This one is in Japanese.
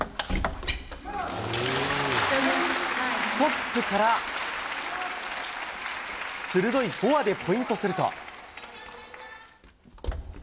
ストップから、鋭いフォアでポイントすると。